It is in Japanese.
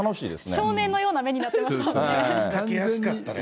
少年のような目になってましたね。